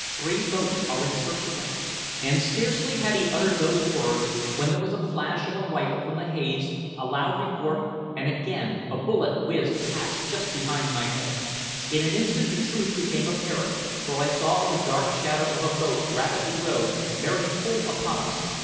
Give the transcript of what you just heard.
"Three boats are in search of us." And scarcely had he uttered those words when there was the flash of a rifle from the haze, a loud report, and again a bullet whizzed past just behind my head. In an instant the truth became apparent, for I saw the dark shadow of a boat rapidly rowed, bearing full upon us.